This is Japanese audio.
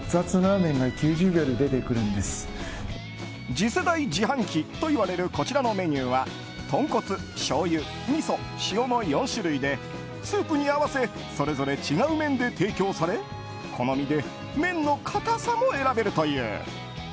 次世代自販機といわれるこちらのメニューはとんこつ、しょうゆみそ、塩の４種類でスープに合わせそれぞれ違う麺で提供されお好みで麺の硬さも選べるという。